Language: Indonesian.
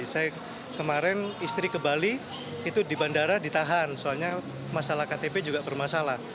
saya kemarin istri ke bali itu di bandara ditahan soalnya masalah ktp juga bermasalah